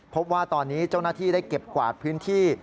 พบว่าตอนนี้เจ้าหน้าที่ได้เก็บกวาดพื้นที่